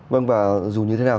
vâng và dù như thế nào